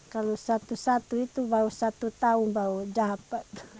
kalau satu satu itu baru satu tahun baru dapat